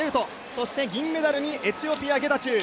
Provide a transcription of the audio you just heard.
そして銀メダルにエチオピアゲタチュー。